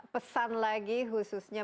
pesan lagi khususnya